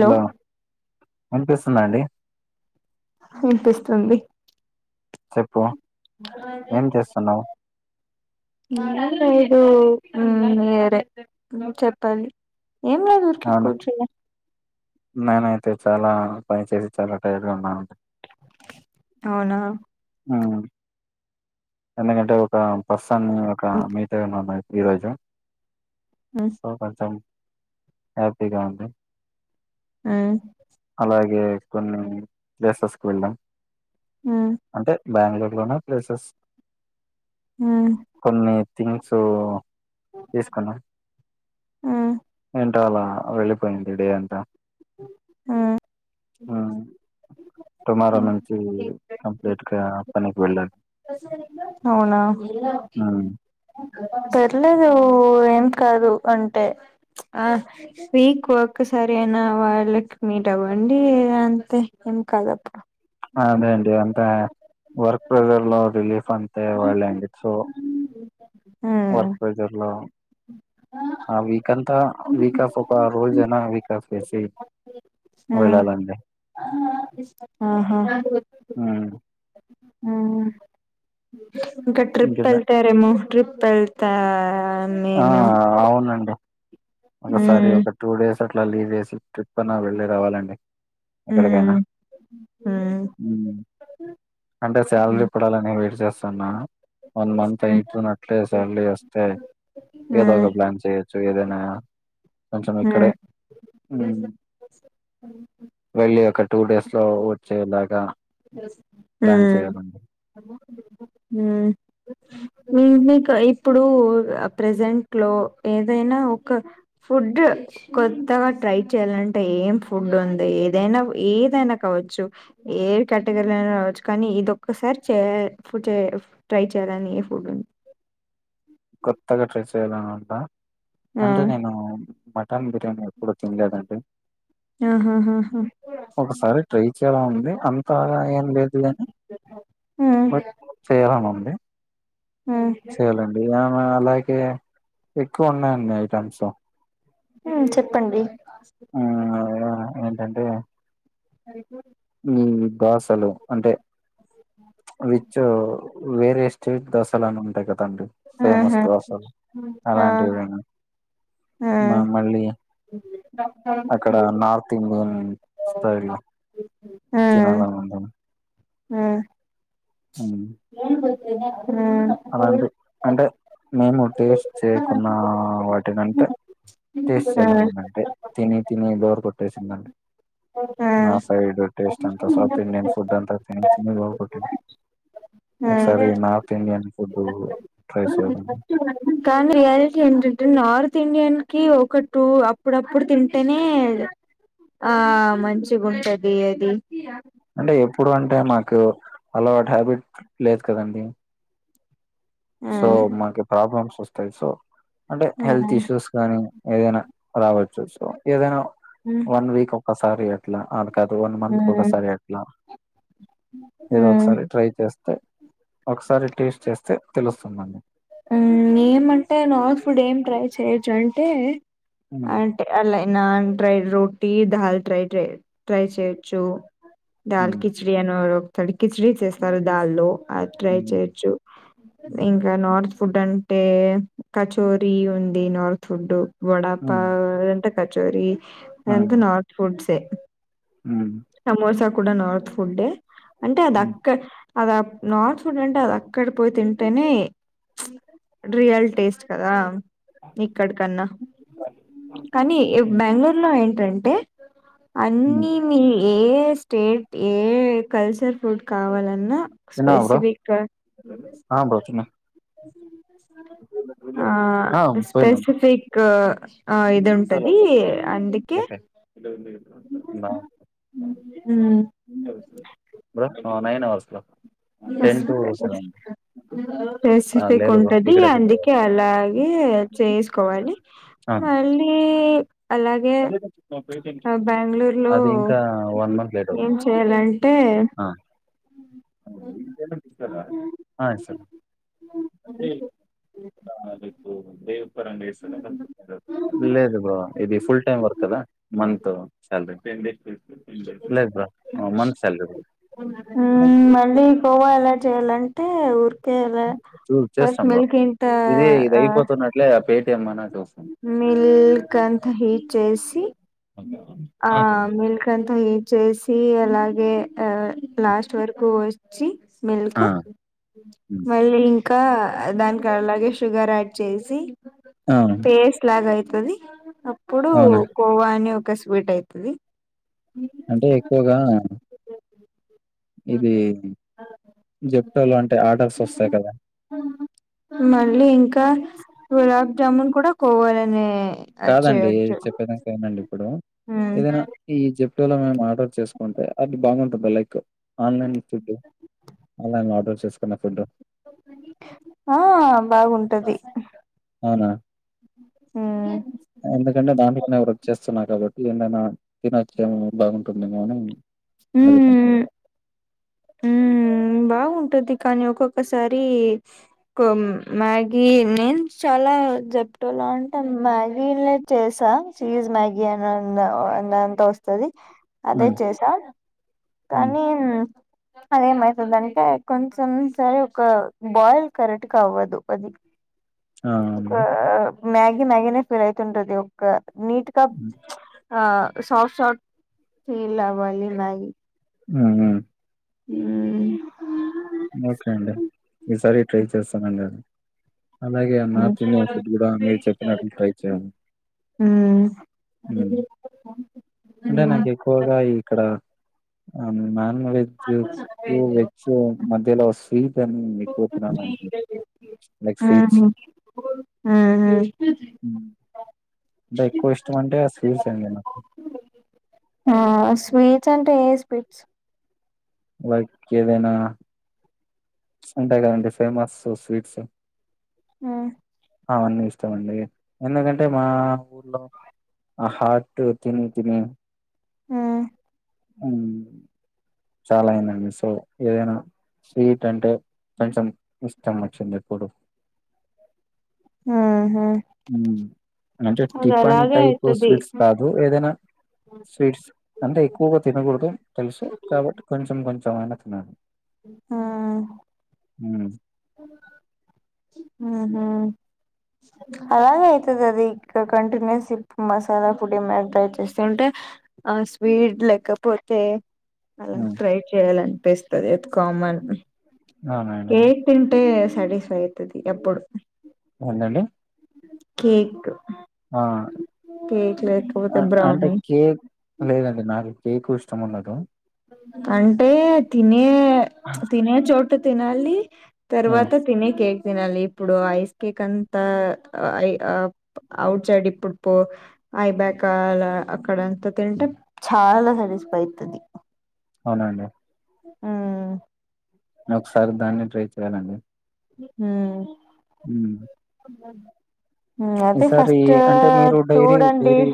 Hello వినిపిస్తుంద అండి వినిపిస్తుంది చెప్పు ఏం చేస్తున్నావ్ ఎం లేదు మిరే చెప్పండి ఎం లేదు ఊరికే అవును కూర్చున్న నేనైతే చాలా పని చేసి చాలా టైడ్ గా ఉన్నాను అవునా ఉ ఎందుకంటే ఒక పర్సన్ని ని ఒక మీట్ ఐనం ఈరోజు మ్మ్ సో కొంచెం హ్యాపీగా ఉంది మ్మ్ అలాగే కొన్ని ప్లేసెస్ కు వెళ్లాం. ఉమ్. బెంగళూరు లోన places hmm I think so. తీసుకున్నా ఏంటో అలా వెళ్ళిపోయింది డే అంతా. ఉమ్. టూమారో నుంచి కంప్లీట్ గా పనికి వెళ్ళాలి. అవునా ఉమ్ పర్లేదు. ఏం [inaudible] కాదు అంటే ప్చ్ ఆహ్ వీక్ ఒక్కసారి అయినా వాళ్ళకి మీట్ అవ్వ. మల్లి అంతే ఏం కాదప్ప. అదే అండి అంతే వర్క్ ప్రెజర్ లో రిలీఫ్ అంతే వాళ్లేండి సో. మ్మ్ వర్క్ ప్రెజర్ లో. ఆ వీకంతా వికప్ ఒక రోజైన వీకప్ చేసి. వెళ్ళాలండి. ఆహ్. ఉమ్ ఇంకా ట్రిప్ ఇంకేనా వెళ్తారేమో ట్రిప్ వెళ్తా. మేము ఆహ్ అవునండి. ఒకసారి ఉమ్ ఒక టూ డేస్ అట్లా లీవ్ చేసి ట్రిప్ అన్న వెళ్ళి రావాలండి. ఎక్కడికైనా. ఉమ్ ఉమ్ ఉమ్ ఉమ్ అంటే శాలరీ ఇప్పుడు అలానే వెయిట్ చేస్తూ తున్న వన్ మంత్ అయిపోయినట్లే సాలరీ అస్తే ఏదో ఉమ్ ఒక ప్లాన్ చేయ. సో ఏదైనా కొంచెం ఇక్కడే. ఉమ్ వెళ్ళి ఒక టూ డేస్ లో వచ్చేలాగా. ప్లాన్ ఉమ్ చేయాలండి. ఉమ్ మీ మీకు ఇప్పుడు ప్రెజెంట్ లో ఏదైనా ఒక ఫుడ్. కొత్తగా ట్రై చేయాలంటే ఏం ఫుడ్ ఉంది. ఏదైనా ఏదైనా కావచ్చు ఏ ఎ కేటగిరీలో ఐనా రావచ్చు కానీ ఇదొక్కసారి చేయ ఫుడ్ చేయ ట్రై చెయ్యాలని ఏ ఫుడ్ ఉంది. కొత్తగా ట్రై చేయాలని ఉందా. ఆ అంటే నేను మటన్ బిర్యానీ ఎప్పుడు తినలేదండి. ఆహా ఆహా ఆహ్. మంచిగా ఉంది అం. బాగా ఏం లేదు కాని చేయాలని ఉంది. హ్మ్ చేయాలండి ఆహ్ మా అలాగే ఎక్కువ ఉన్నాయండి ఐటమ్స్. ఉమ్ చెప్పండి. అంటే. ఐక్యు. దోశలు అంటే విచ్ వేరే స్టేట్ దోశలు అని ఉంటాయి కదా. కాండి ఫేమస్ ఆహా దోసలు ఆ అలాంటివైనా. ఆ మా మళ్ళీ. అక్కడ నార్త్ ఇండియన్ స్టైల్ లో. తినాలని ఉందండి. ఉమ్. అవును. అలాంటివి అంటే మేము టేస్ట్ చేయకున్న వాటినంటే. టేస్ సెలూన్ ఉందంటే తిని తిని బోర్ కొట్టేసిందండి. మా ఆ సైడ్ టేస్ట్ అంత సౌత్ ఇండియన్ ఫుడ్ అంత అత చిన్నబట్ట ఆ ఒకసారి నార్త్ ఇండియన్ ఫుడ్ ట్రై చేయాలండి [unintelligible] ఇండియన్ కి ఒకటు అప్పుడప్పుడు తింటేనే ఆ మంచిగ ఉంటది అది అంటే ఎప్పుడు అంటే మాకు అలవా హ్యాబిట్ లేదు కదండి ఆ సో మాకి ప్రాబ్లమ్స్ వస్తాయి సో అంటే ఆ హెల్త్ ఇష్యూస్ కానీ ఏదైనా రావచ్చు సో ఏదైనా హ్మ్ వన్ వీక్ ఒకసారి అట్లా ఆ కాదు వన్ మంత్ హ్మ్ ఒకసారి అట్లా ఏదో హ్మ్ ఒకసారి ట్రై చేస్త స్తే ఒకసారి టేస్ట్ చేస్తే తెలుస్తుందని ఏమంటే నార్త్ ఫుడ్ ఏం ట్రై చెయొచ్చు అంటే హ్మ్ అంటే అలై నాన్ ట్రై రోటీ దాల్ ట్రై ట్రై చేయొచ్చు దాల్ హ్మ్ కిచడి అనివాలు తడికిచడి చేస్తారు దాల్లో అది ట్రై హ్మ్ చేయొచ్చు హ్మ్ ఇంకా నార్త్ ఫుడ్ అంటే కచోరీ ఉంది నార్త్ ఫుడ్ వడాపా హ్మ్ అంటే కచోరి హ్మ్ అంత నార్త్ ఫుడ్స్ హ్మ్ సమోసా కూడా నార్త్ ఫుడ్డే అంటే అది హ్మ్ అక్క అద నార్త్ ఫుడ్ అంటే అది అక్కడ పోయి తింటేనే రియల్ టేస్ట్ కదా ఇక్కడికన్నా కానీ హ్మ్ బెంగళూరులో ఏంటంటే హ్మ్ అన్ని మల్ ఏ స్టేట్ ఏ కల్చర్ ఫుడ్ కావాలన్నా తిన్నావా బ్రో స్పైస్పేట్రా ఆ బ్రో తిన్నా ఆ పోయినా బ్రో స్పెసిఫీక్ ఆ ఇది జెప్టోలో ఉంటది బ్రో అందుకే కెఫే హ్మ్ నాయిన్ అవర్స లో అ ఆ స్పెసిఫిక్ లేదు బ్రో ఉంటది ఇక్కడే తిన్న బ్రో అందుకే అలాగే చేసుకోవాలి ఆ మళ్ళీ అలాగే బెంగళూరులో అది ఇంకా వన్ మంత్ లేట్ ఏం అవుతుంది చేయాలంటే ఇస్తారా ఆ ఇస్తారు అంటే లేదు బా ఇది ఫుల్ టెన్ డేస్ తీసుకొని టెన్ డేస్ లేదు బా మళ్ళీ కొవ్వా ఎలా చేయాలంటే ఊరు చూ చేస్తాం బా ఇది ఇది అయిపోతున్నట్లే ఆ పేటిఎం అనా చేస్ మిల్కంత హీట్ చేసి ఆ మిల్క్ అంతా హీట్ చేసి అలాగే ఆ లాస్ట్ వరకు చీ మిల్క్ ఆ హ్మ్. మళ్ళీ ఇంకా దానికి అలాగే షుగర్ యాడ్ చేసి ఆ పేస్ట్ లాగయి తది అప్పుడు అవునా కోవా అని ఒక స్వీట్ అయితది అంటే ఎక్కువగా ఇది జెప్టోలో అంటే ఆర్డర్స్ వస్తాయి కదా మళ్ళీ ఇంకా గులాబ్జామున్ కూడా కోవాలని కాదండి చెప్పేదాక ఈనండి ఇప్పుడు ఉమ్ ఏదైనా ఈ జెప్టోలో ఏమైన ఆర్డర్ చేసుకుంటే అది బాగుంటుంది like online food online order చేసుకున్న ఫుడ్ ఆ బాగుంటది అవ్న ఉమ్ ఎందుకంటే దాంట్లో నే చేస్తున్నారు కాబట్టి ఏందైనా తినొచ్చే ఏ బాగుంటుందేమో అని అడుగుతున్న ఉమ్ ఉ బాగుంటది కానీ ఒక్కొక్కసారి కొ మ్యాగీ నేను చాలా ఇలా జప్టోలో అంటే మ్యాగీ చేసా చీజ్ మ్యాగీ అనని అంత వస్తుంది అదే ఉమ్ చేసా ఉమ్ కానీ అదేమై అంటే కొంచెం సరే ఒక బాయిల్ కరెక్ట్గా అవ్వదు కొది ఆ ఉన్నయ్ మ్యాగీ మ్యాగీనే ఫిల్ అయితుంటది ఒక్క నీట్గా ఉమ్ ఆ సాఫ్ట్ సాఫ్ట్ ఫీల్ అవ్వాలి మ్యాగీ ఉహు ఊ ఓకే అండి ఈసారి ట్రై చేస్తానండి అది అలాగే నార్త్ ఇండియన్ ఫుడ్ కూడా మీరు చెప్పినట్లు ట్రై చేయ ఊ అంటే నాకు ఎక్కువగా ఇక్కడ నాన్ వెజ్ కు వెజ్ మధ్యలో వస్ లైక్ స్వీట్స్. అహ హ్మ్. అహ అంటే ఎక్కువ ఇష్టం అంటే ఆ స్వీట్స్ అండి నాకు ఆ స్వీట్స్ అంటే ఏ స్వీట్స్ లైక్ ఏదైన ఉంటాయి గా అండి ఫేమస్ స్వీట్సు ఆ అవన్నీ ఇష్టమండి ఎందుకంటే మా ఊర్లో ఆ హాట్ తిని తిని ఆ ఉ చాలా అయినండి సో ఏదైనా స్వీట్ అంటే కొంచెం ఇష్టం వచ్చింది ఇప్పుడు ఆ ఉ అంటే టిఫన్ అలాగే టైప్ అయితది స్వీట్స్ కాదు ఏదైనా స్వీట్స్ అంటే ఎక్కువగా తినకూడదు తెలుసు కాబట్టి కొంచెం కొంచం అయిన తినాలి ఆ ఉమ్ అహ అలాగే అయితది అది గ కంటిన్యూస్ మసాలా పొడి ఏమన ట్రై చేసింటే ఆ స్వీడ్ లేకపోతే అలా ఉమ్ ట్రై చేయాలనిపిస్తది అది కామన్ అవునండి టే సాటిస్ఫై అయితది ఎప్పుడు ఏంటండి కేక్ ఆ కేక్ లేకపోతే అంటే బ్రౌనీ కేక్ లేదండి నాకు కేక్ ఇష్టం ఉండదు అంటే తినే ఆ తినే చోటు తినాలి తర్వాత తినే కేక్ తినాలి ఇప్పుడు ఐస్ కేక్ అంతాఐ ఔట్ సైడ్ ఇప్పుడు ఇప్పుడు ఐబ్యాక్లా అక్కడ అంతా తింటే చాలా సాటిస్ఫై అయితది అవునండి ఉమ్ అంతేనా అండి హ మ్ మ్ అదే ఫస్ట్ అంటే డైరీ చూడండి డైరీ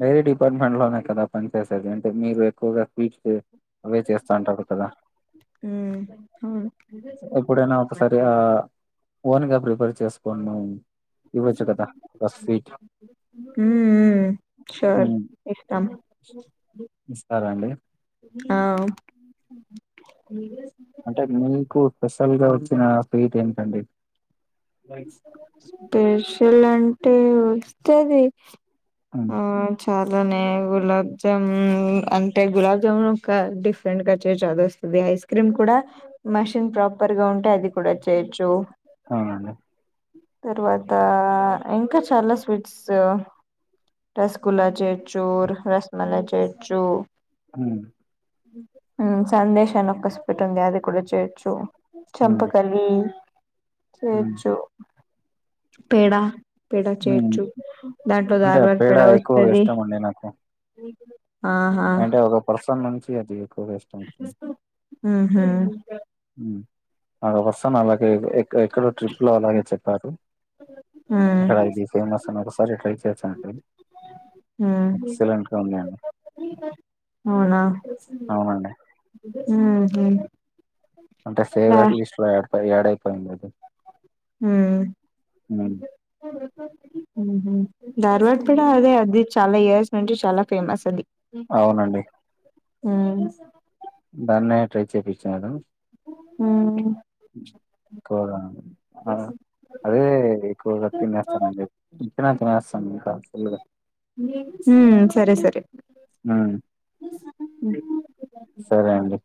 మీరు డిపార్ట్మెంట్ లోనే కదా పని చేసేది అంటే మీరు ఎక్కువగా స్వీట్స్ అవే చేస్తా అంటడు కదా ఉమ్ అవును ఎప్పుడైనా ఒకసారి య ఓన్ గా ప్రిపేర్ చేసుకొని ఇవ్వచ్చుగా రఫిట్ మ్ షేర్ ఇస్తాం ఇస్తారా అండి ఆ అంటే మీకు స్పెషల్ గా వచ్చిన స్వీట్ ఏంటండి స్పెషల్ అంటే వస్తది ఉమ్ ఆ చ అలానే గులాబ్ జామున్ అంటే గులాబ్ జాముూన్ ఒక డిఫరెంట్ గా చర చది వస్తుంది ఐస్ క్రీమ్ కూడా మషిన్ ప్రాపర్ గా ఉంటే అది కూడా చేయొచ్చు అవునండి తర్వాత ఇంకా చాలా స్వీట్స్ రసగుల్లా చేయొచ్చు రసమలై చేయొచ్చు హ సందేశాన్ని ఒక్కసిపట్ ఉంది అది కూడా చేయొచ్చు ఉమ్ చంపకలి ఉమ్ చేయొచ్చు పేడ పేడ ఉమ్ చేయచ్చు దాంట్లో అంటే దారివాత పేడ ఎక్కువగా వస్తది ఇష్టం అండి నాకు ఉ అంటే ఒక పర్సన్ నుంచి అది ఎక్కువగా ఇష్టం వచ్చింది మ్ అ వస్తాను అలాగే ఎక్కడో ట్రిప్ లో అలాగే చెప్పారు ఉ అక్కడ ఇది ఫేమస్ అని ఒకసారి ట్రై చేసానండి మ్మ్ అవునా అవునండి మ్మ్ అంటే ఫేవరేట్ లిస్ట్ లో [unintelligible] ఆడ్ అయిపోయిందండి మ్మ్ ఉమ్ ఉమ్మ్ ధార్డ్ ఇక్కడ అదే అది చాలా ఇయర్స్ నుంచి చాలా ఫేమస్ అది అవునండి మ్మ్ దాన్నే ట్రై చేపిచ్చా మేడమ్ ఉమ్మ్ ఎక్కుగా ఆ అదే ఎక్కువగా తినేస్తానండి తినే తినేస్ సంగీత ఫుల్లుగా హ సరే సరే ఉమ్ సరే అండి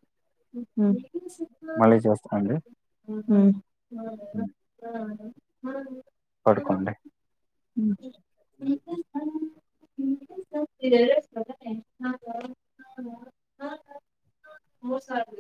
మళ్ళీ చేస్తా ఉ అండి ఉ హ పడుకుండే మో సార్